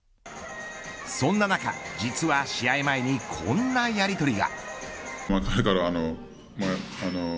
そんな中、実は試合前にこんなやりとりが。